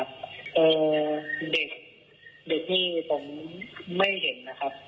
เด็กเด็กนี่ผมไม่เห็นนะครับ